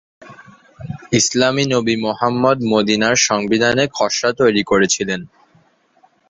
ইসলামী নবী মুহাম্মাদ মদিনার সংবিধানের খসড়া তৈরি করেছিলেন।